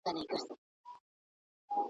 پر مزار مي زنګېدلی بیرغ غواړم ,